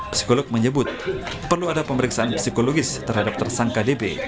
psikolog menyebut perlu ada pemeriksaan psikologis terhadap tersangka db